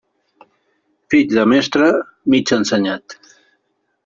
Fill de mestre, mig ensenyat.